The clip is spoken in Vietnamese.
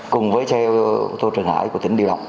cùng với xe ô tô trường hải của tỉnh điều động